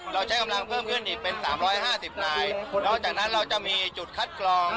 เราใช้กำลังเพิ่มขึ้นอีกเป็นสามร้อยห้าสิบนายนอกจากนั้นเราจะมีจุดคัดกรอง